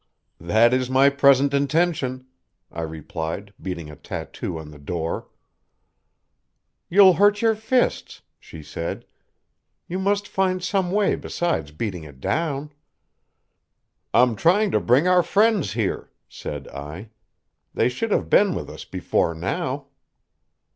"That is my present intention," I replied, beating a tattoo on the door. "You'll hurt your fists," she said. "You must find some way besides beating it down." "I'm trying to bring our friends here," said I. "They should have been with us before now."